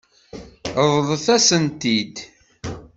Ṛeḍlet-as-tent-id.